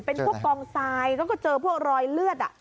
เป็นพวกกองทรายแล้วก็เจอพวกรอยเลือด